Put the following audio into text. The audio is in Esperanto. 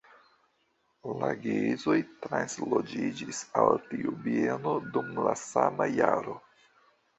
La geedzoj transloĝiĝis al tiu bieno dum la sama jaro.